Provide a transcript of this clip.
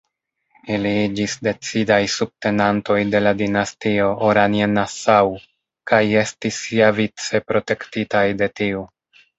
Ili iĝis decidaj subtenantoj de la dinastio Oranje-Nassau kaj estis siavice protektitaj de tiu.